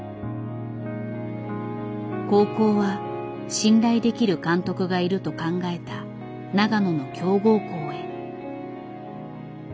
高校は信頼できる監督がいると考えた長野の強豪校へ。